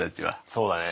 そうだね。